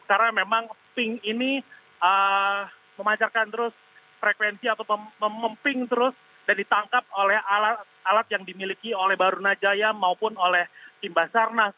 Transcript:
karena memang pink ini memancarkan terus frekuensi atau memping terus dan ditangkap oleh alat yang dimiliki oleh barunajaya maupun oleh tim basarnas